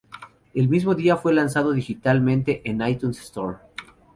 El mismo día, fue lanzado digitalmente en iTunes Store.